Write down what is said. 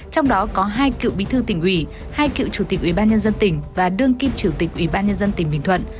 trong đó có hai cựu bí thư tỉnh ủy hai cựu chủ tịch ủy ban nhân dân tỉnh và đương kim chủ tịch ủy ban nhân dân tỉnh bình thuận